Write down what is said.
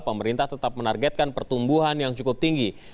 pemerintah tetap menargetkan pertumbuhan yang cukup tinggi